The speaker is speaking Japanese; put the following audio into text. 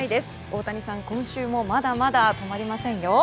大谷さん、今週もまだまだ止まりませんよ。